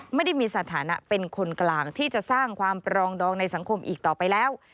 ไม่ได้มีสถานะเป็นคนกลางที่จะสร้างความปรองดองในสังคมอีกต่อไปแล้ว